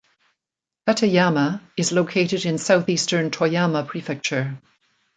Tateyama is located in southeastern Toyama Prefecture.